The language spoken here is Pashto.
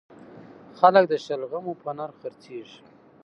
خلک د شلغمو په نرخ خرڅیږي